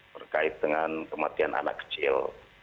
berkait dengan kematian anak kecil